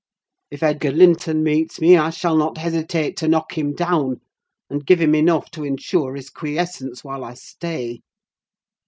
If Edgar Linton meets me, I shall not hesitate to knock him down, and give him enough to insure his quiescence while I stay.